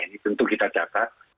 ini tentu kita catat